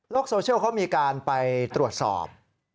โซเชียลเขามีการไปตรวจสอบ